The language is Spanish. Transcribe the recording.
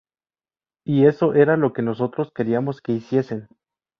Y eso era lo que nosotros queríamos que hiciesen.